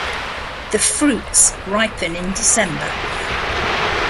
The fruits ripen in December.